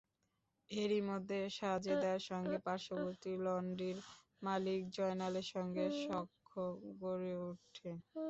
এরই মধ্যে সাজেদার সঙ্গে পার্শ্ববর্তী লন্ড্রির মালিক জয়নালের সঙ্গে সখ্য গড়ে ওঠে।